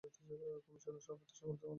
কমিশনের সভাপতির সম্মতির মাধ্যমে।